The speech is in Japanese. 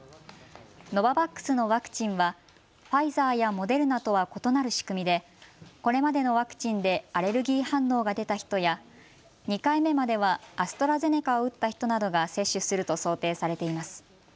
ノババックスのワクチンはファイザーやモデルナとは異なる仕組みでこれまでのワクチンでアレルギー反応が出た人や２回目まではアストラゼネカを打った人などが接種すると想定されています。